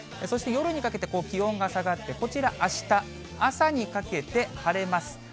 そして夜にかけて気温が下がって、こちら、あした朝にかけて晴れます。